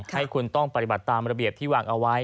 ให้คุณต้องปฏิบัติตามระเบียบที่วางเอาไว้